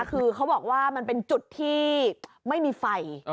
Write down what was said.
คือเขาบอกว่ามันเป็นจุดที่ไม่มีไฟ